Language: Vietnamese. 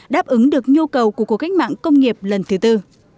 đáp ứng được nhu cầu của cuộc cách mạng công nghiệp lần thứ tư